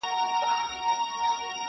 په ځنګله کي به حلال یا غرغړه سم!.